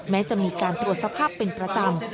แม้จะมีการตรวจสภาพเป็นประจำ